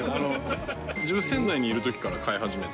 自分仙台からいるときから飼い始めて。